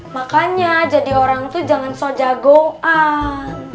makanya jadi orang tuh jangan so jagoan